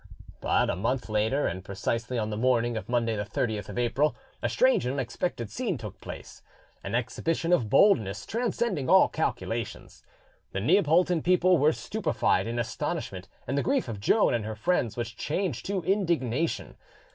But a month later, and precisely on the morning of Monday the 30th of April, a strange and unexpected scene took place, an exhibition of boldness transcending all calculations. The Neapolitan people were stupefied in astonishment, and the grief of Joan and her friends was changed to indignation.